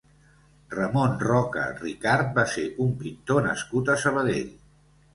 Ramon Roca Ricart va ser un pintor nascut a Sabadell.